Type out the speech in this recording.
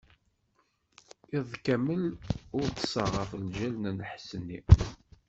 Iḍ kamel ur ṭṭiseɣ ɣef lǧal n lḥess-nni.